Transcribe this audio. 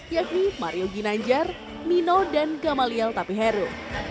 yakni mario ginanjar mino dan gamaliel tapiheru